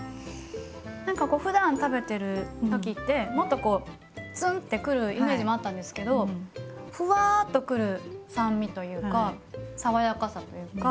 何かこうふだん食べてる時ってもっとツンってくるイメージもあったんですけどふわっとくる酸味というか爽やかさというか。